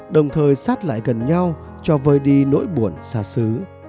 đồng thời sát lại gần nhau cho vơi đi nỗi buồn xa xứ